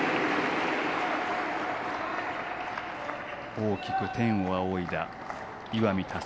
大きく天を仰いだ岩見亮